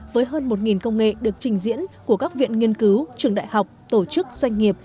với hơn một công nghệ được trình diễn của các viện nghiên cứu trường đại học tổ chức doanh nghiệp